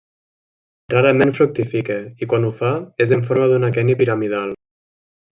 Rarament fructifica i quan ho fa és en forma d'un aqueni piramidal.